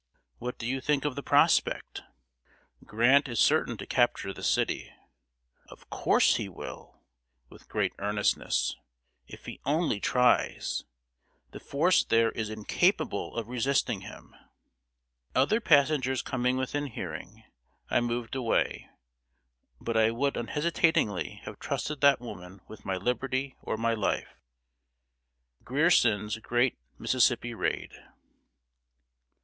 "What do you think of the prospect?" "Grant is certain to capture the city." "Of course he will" (with great earnestness), "if he only tries! The force there is incapable of resisting him." Other passengers coming within hearing, I moved away, but I would unhesitatingly have trusted that woman with my liberty or my life. [Sidenote: GRIERSON'S GREAT MISSISSIPPI RAID.